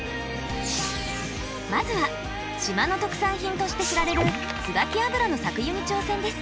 まずは島の特産品として知られるつばき油の搾油に挑戦です。